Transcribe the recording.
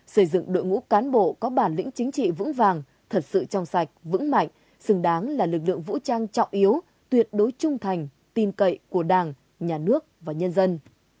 xây dựng đội ngũ cán bộ có bản lĩnh chính trị vững vàng thật sự trong sạch vững mạnh xứng đáng là lực lượng vũ trang trọng yếu tuyệt đối trung thành tin cậy của đảng nhà nước và nhân dân